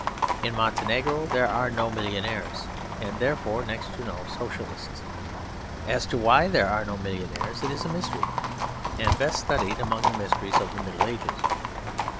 In Montenegro there are no millionaires and therefore next to no Socialists. As to why there are no millionaires, it is a mystery, and best studied among the mysteries of the Middle Ages.